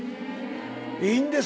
いいんですか？